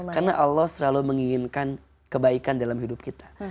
karena allah selalu menginginkan kebaikan dalam hidup kita